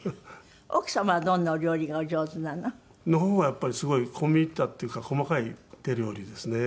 奥様はどんなお料理がお上手なの？の方がやっぱりすごい込み入ったっていうか細かい手料理ですね。